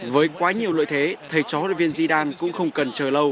với quá nhiều lợi thế thầy chó hội viên zidane cũng không cần chờ lâu